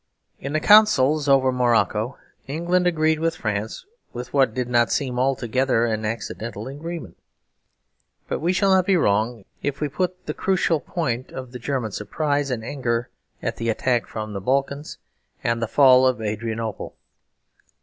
In the councils over Morocco, England agreed with France with what did not seem altogether an accidental agreement. But we shall not be wrong if we put the crucial point of the German surprise and anger at the attack from the Balkans and the fall of Adrianople.